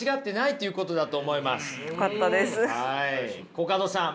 コカドさん